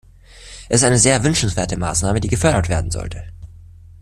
Das ist eine sehr wünschenswerte Maßnahme, die gefördert werden sollte.